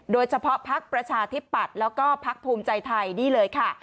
โดยเฉพาะภักดิ์ประชาธิปัตย์แล้วก็ภักดิ์ภูมิใจไทยนี่เลยค่ะ